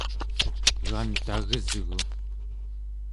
egan tagesgu!